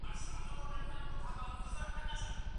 دولتي پوهنتون سمدستي نه لغوه کیږي.